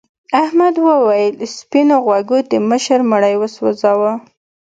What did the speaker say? احمد وویل سپین غوږو د مشر مړی وسوځاوه.